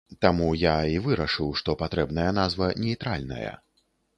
Таму я і вырашыў, што патрэбная назва нейтральная.